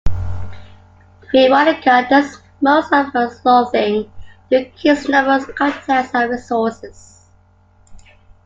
Veronica does most of her sleuthing through Keith's numerous contacts and resources.